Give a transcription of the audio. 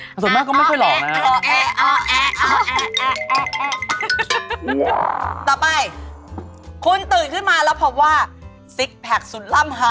เมื่อก่อนมีภูมิขนาดไหน